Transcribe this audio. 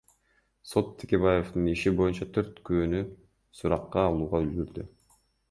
Сот Текебаевдин иши боюнча төрт күбөнү суракка алууга үлгүрдү.